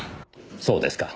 そうですか。